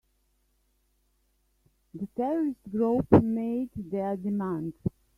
The terrorist group made their demand.